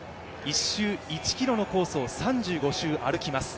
１周１ｋｍのコースを３５周歩きます。